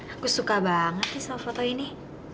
aku suka banget nih sama foto ini